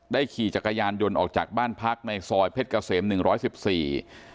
ขี่จักรยานยนต์ออกจากบ้านพักในซอยเพชรเกษมหนึ่งร้อยสิบสี่